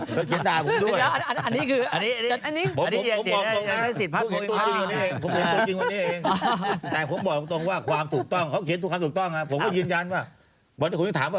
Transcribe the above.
เคยเขียนด่าผมด้วย